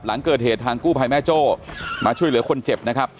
หลังเกิดเหตุทางกู้ภัยแม่โจ้มาช่วยเหลือคนเจ็บนะครับ